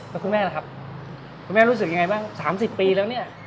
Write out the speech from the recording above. แล้วคุณแม่ล่ะครับคุณแม่รู้สึกยังไงบ้าง๓๐ปีแล้วเนี่ย